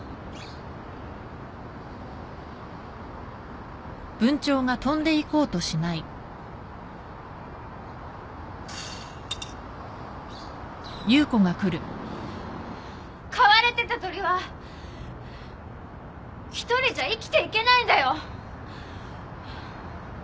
新「グリーンズフリー」飼われてた鳥は一人じゃ生きていけないんだよ！